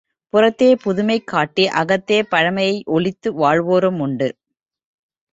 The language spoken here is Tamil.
புறத்தே புதுமை காட்டி அகத்தே பழைமையை ஒளித்து வாழ்வோரும் உண்டு.